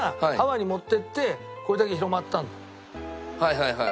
はいはいはい。